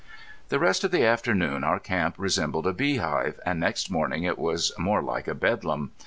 The rest of the afternoon our camp resembled a beehive, and next morning it was more like a bedlam.